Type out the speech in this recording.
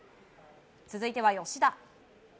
続いては、吉田。